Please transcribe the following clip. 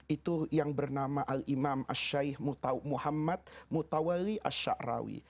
itu yang bernama al imam al syaih muhammad mutawalli al sya'rawi